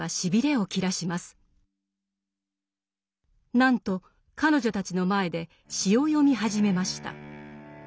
なんと彼女たちの前で詩を読み始めました。